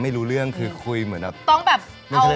แน็ตค้าผู้หญิงเน้นค้า